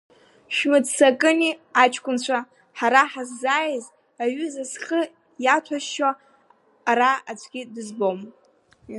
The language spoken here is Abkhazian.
Шәмыццакыни, аҷкәынцәа, ҳара ҳаззааиз аҩыза зхы иаҭәазшьо ара аӡәгьы дызбом.